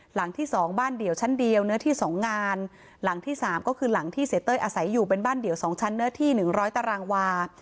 หลังที่สองบ้านเดี่ยวชั้นเดียวเนื้อที่๒งานหลังที่สามก็คือหลังที่เสียเต้ยอาศัยอยู่เป็นบ้านเดี่ยว๒ชั้นเนื้อที่หนึ่งร้อยตารางวา